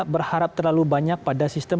berharap terlalu banyak pada sistem